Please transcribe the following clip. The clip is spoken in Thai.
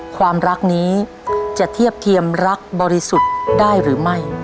ความรักนี้จะเทียบเทียมรักบริสุทธิ์ได้หรือไม่